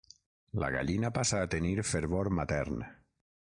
La gallina passa a tenir fervor matern.